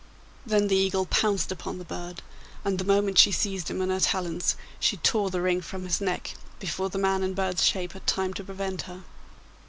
Then the eagle pounced upon the bird, and the moment she seized him in her talons she tore the ring from his neck before the man in bird's shape had time to prevent her.